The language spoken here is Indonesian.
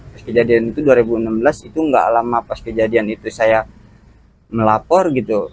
pas kejadian itu dua ribu enam belas itu gak lama pas kejadian itu saya melapor gitu